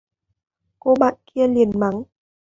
Cô bạn kia liền mắng